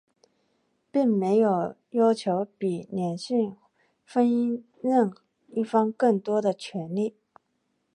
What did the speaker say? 并没有要求比两性婚姻任一方更多的权利。